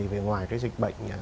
về ngoài cái dịch bệnh